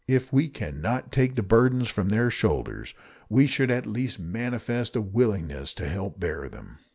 If we can not take the burdens from their shoulders, we should at least manifest a willingness to help to bear them.